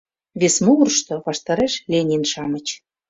Вес могырышто, ваштареш — Ленин-шамыч.